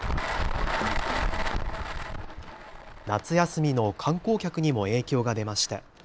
夏休みの観光客にも影響が出ました。